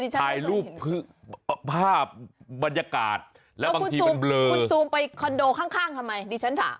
ถ่ายรูปให้ใคร